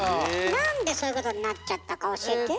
なんでそういうことになっちゃったか教えて？